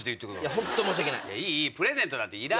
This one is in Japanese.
本当申し訳ない！